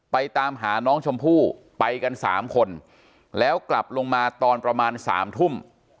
ตามหาน้องชมพู่ไปกัน๓คนแล้วกลับลงมาตอนประมาณ๓ทุ่ม